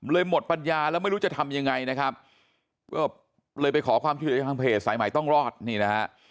หมดปัญญาแล้วไม่รู้จะทำยังไงนะครับก็เลยไปขอความช่วยเหลือจากทางเพจสายใหม่ต้องรอดนี่นะฮะ